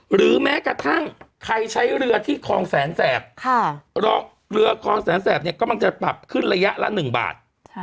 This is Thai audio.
หรือแม้กระทั่งใครใช้เรือที่คลองแสนแสบเรือคลองแสนแสบเนี่ยก็มักจะปรับขึ้นระยะละ๑บาท